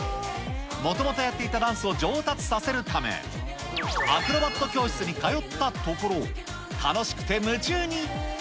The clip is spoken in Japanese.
もともとやっていたダンスを上達させるため、アクロバット教室に通ったところ、楽しくて夢中に。